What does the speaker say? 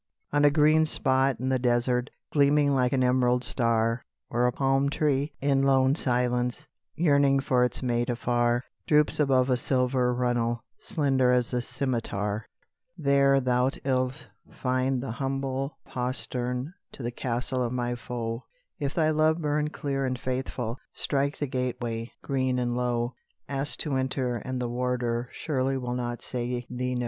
"On a green spot in the desert, Gleaming like an emerald star, Where a palm tree, in lone silence, Yearning for its mate afar, Droops above a silver runnel, Slender as a scimitar, "There thou'lt find the humble postern To the castle of my foe; If thy love burn clear and faithful, Strike the gateway, green and low, Ask to enter, and the warder Surely will not say thee no."